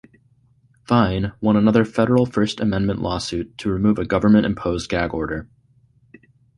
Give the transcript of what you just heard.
Fein won another federal First Amendment lawsuit to remove a government-imposed gag order.